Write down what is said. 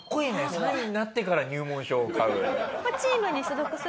３位になってから入門書を買う。